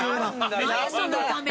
何そのため。